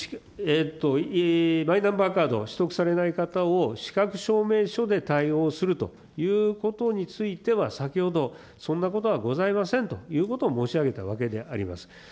マイナンバーカードを取得されない方を資格証明書で対応するということについては、先ほど、そんなことはございませんということを申し上げたわけであります。